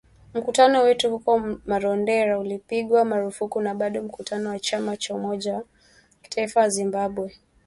Mkutano wetu huko Marondera ulipigwa marufuku na bado mkutano wa Chama cha umoja wa kitaifa wa Zimbabwe ulikuwa kwenye magari.